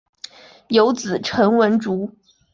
有子陈文烛。